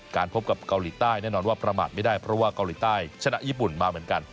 พบกับเกาหลีใต้แน่นอนว่าประมาทไม่ได้เพราะว่าเกาหลีใต้ชนะญี่ปุ่นมาเหมือนกัน